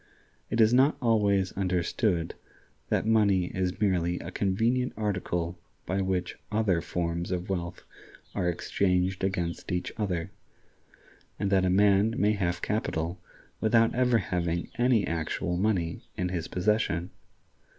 It is not always understood that money is merely a convenient article by which other forms of wealth are exchanged against each other, and that a man may have capital without ever having any actual money in his possession.